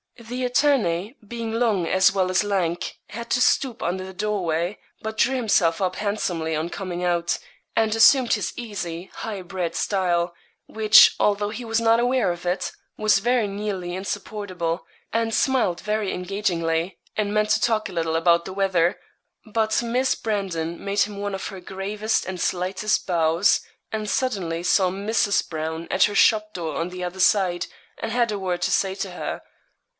The attorney, being long as well as lank, had to stoop under the doorway, but drew himself up handsomely on coming out, and assumed his easy, high bred style, which, although he was not aware of it, was very nearly insupportable, and smiled very engagingly, and meant to talk a little about the weather; but Miss Brandon made him one of her gravest and slightest bows, and suddenly saw Mrs. Brown at her shop door on the other side, and had a word to say to her.